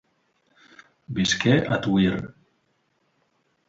Visqué a Tuïr.